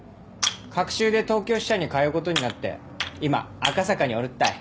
隔週で東京支社に通うことになって今赤坂におるったい。